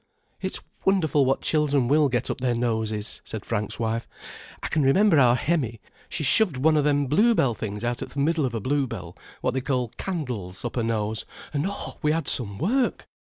"It's wonderful what children will get up their noses," said Frank's wife. "I c'n remember our Hemmie, she shoved one o' them bluebell things out o' th' middle of a bluebell, what they call 'candles', up her nose, and oh, we had some work!